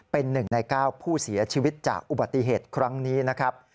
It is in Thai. เป็น๑ใน๙ผู้เสียชีวิตจากอุบัติเหตุครั้งนี้นะครับ